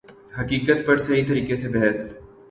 حقیقت پر صحیح طریقہ سے بحث